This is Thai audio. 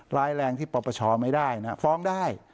ร้ายแรงที่ปปชไม่ได้นะฟ้องได้